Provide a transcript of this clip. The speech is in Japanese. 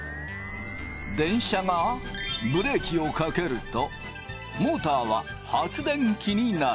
電車がブレーキをかけるとモーターは発電機になる。